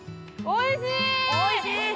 おいしい。